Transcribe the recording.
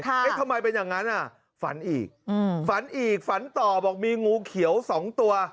เอ๊ะทำไมเป็นอย่างนั้นอ่ะฝันอีกฝันอีกฝันต่อบอกมีงูเขียวสองตัว